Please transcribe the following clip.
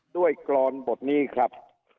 ด้วยกรอนบทนี้ครับ